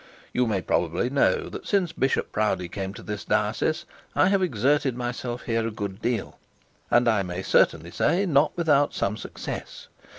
You may probably know that since Bishop Proudie came to this diocese, I have exerted myself a good deal; and I may certainly say not without some success.